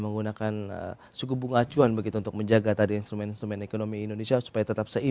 menggunakan suku bunga acuan begitu untuk menjaga tadi instrumen instrumen ekonomi indonesia supaya tetap sehat